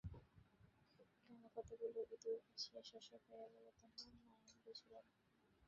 কেন কতকগুলো ইঁদুর আসিয়া শস্য খাইয়া গেল তাহা নাঞ্চই বুঝিলাম।